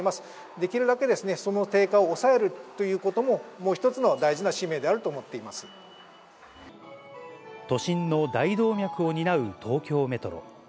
できるだけ、その低下を抑えるということも、もう一つの大事な使命であると思都心の大動脈を担う東京メトロ。